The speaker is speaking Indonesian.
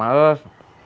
aku bukannya maes